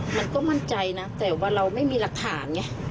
มันก็มั่นใจนะแต่ว่าเราไม่มีหลักฐานไง